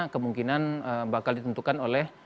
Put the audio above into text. kemungkinan bakal ditentukan oleh